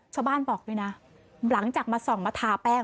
ชาวบ้านบอกด้วยนะหลังจากมาส่องมาทาแป้ง